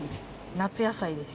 夏野菜です。